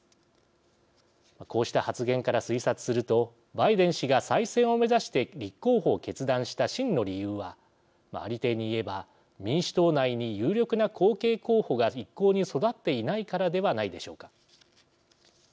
こうした発言から推察するとバイデン氏が再選を目指して立候補を決断した真の理由はありていに言えば民主党内に有力な後継候補が一向に育っていないからではないでしょうか。